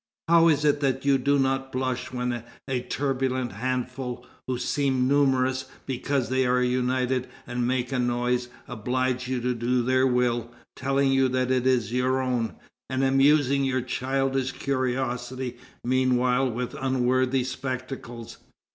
How is it that you do not blush when a turbulent handful, who seem numerous because they are united and make a noise, oblige you to do their will, telling you that it is your own, and amusing your childish curiosity meanwhile with unworthy spectacles?